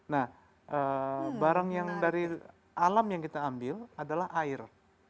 nah barang yang dari alam yang kita ambil adalah air